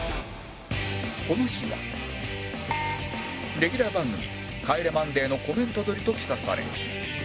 この日はレギュラー番組『帰れマンデー』のコメント撮りと聞かされ